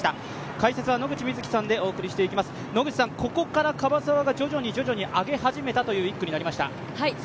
解説は野口みずきさんでお送りしていきます、ここから樺沢が徐々に徐々に上げ始めたという１区になりました。